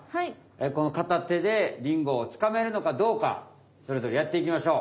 このかた手でリンゴをつかめるのかどうかそれぞれやっていきましょう。